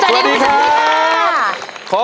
สวัสดีค่ะ